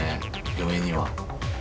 嫁には。